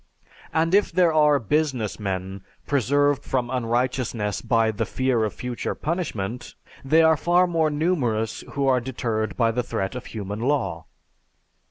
And if there are business men preserved from unrighteousness by the fear of future punishment, they are far more numerous who are deterred by the threat of human law.